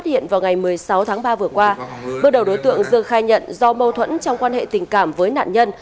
hôm qua bước đầu đối tượng dương khai nhận do mâu thuẫn trong quan hệ tình cảm với nạn nhân